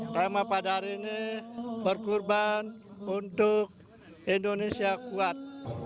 drama pada hari ini berkurban untuk indonesia kuat